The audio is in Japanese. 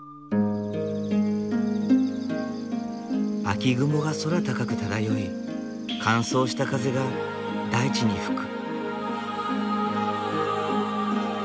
秋雲が空高く漂い乾燥した風が大地に吹く。